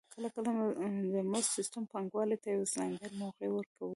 کله کله د مزد سیستم پانګوال ته یوه ځانګړې موقع ورکوي